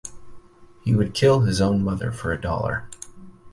He would kill his own mother for a dollar.